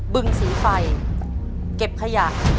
บึงสีไฟเก็บขยะ